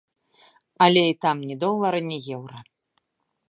Але і там ні долара ні еўра.